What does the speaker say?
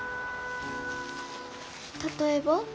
例えば？